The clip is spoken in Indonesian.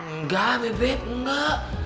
nggak bebek nggak